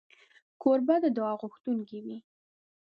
کوربه د دعا غوښتونکی وي.